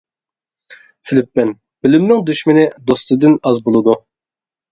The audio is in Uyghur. -فىلىپپىن بىلىمنىڭ دۈشمىنى دوستىدىن ئاز بولىدۇ.